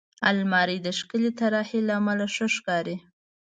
الماري د ښکلې طراحۍ له امله ښه ښکاري